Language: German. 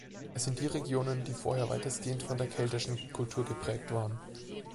Es sind die Regionen, die vorher weitestgehend von der keltischen Kultur geprägt waren.